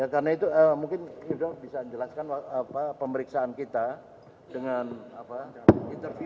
karena itu mungkin bisa dijelaskan pemeriksaan kita dengan interview